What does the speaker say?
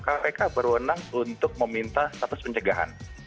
kpk berwenang untuk meminta status pencegahan